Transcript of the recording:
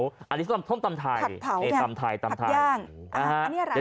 ผัดเผาอ่าอันนี้อะไร